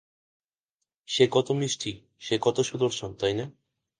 সে কতো মিষ্টি, সে কতো সুদর্শন, তাই না!